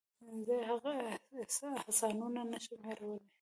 زه یې هغه احسانونه نشم هېرولی.